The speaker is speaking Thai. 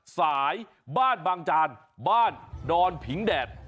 สายบ้านบางจานบ้านดอนผิงแดด